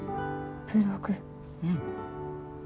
うん。